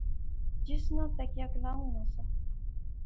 جس نا تکیہ کلام ہونا سا